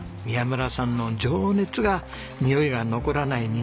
宮村さんの情熱がにおいが残らない